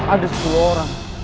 ada sepuluh orang